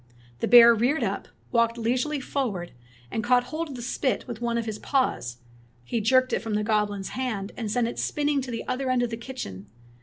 The bear reared up, walked leisurely forward, and caught hold of the spit with one of his paws. He jerked it from the goblin's hand, and sent it spinning to the other end of the kitchen.